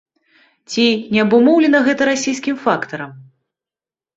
Ці не абумоўлена гэта расійскім фактарам?